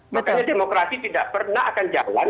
makanya demokrasi tidak pernah akan jalan